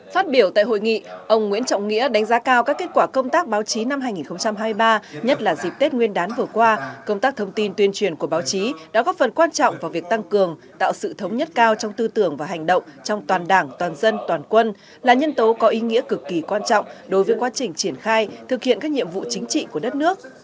phát biểu tại hội nghị ông nguyễn trọng nghĩa đánh giá cao các kết quả công tác báo chí năm hai nghìn hai mươi ba nhất là dịp tết nguyên đán vừa qua công tác thông tin tuyên truyền của báo chí đã góp phần quan trọng vào việc tăng cường tạo sự thống nhất cao trong tư tưởng và hành động trong toàn đảng toàn dân toàn quân là nhân tố có ý nghĩa cực kỳ quan trọng đối với quá trình triển khai thực hiện các nhiệm vụ chính trị của đất nước